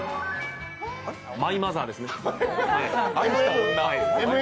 マイ・マザーですね。